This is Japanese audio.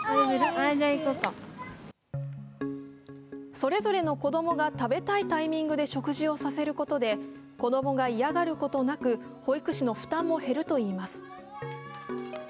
それぞれの子供が食べたいタイミングで食事をさせることで子供が嫌がることなく、保育士の負担も減るといいます。